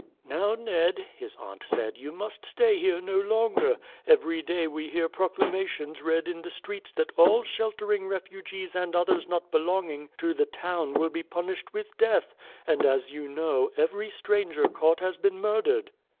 "Now, Ned," his aunt said, "you must stay here no longer. Every day we hear proclamations read in the streets that all sheltering refugees and others not belonging to the town will be punished with death; and, as you know, every stranger caught has been murdered."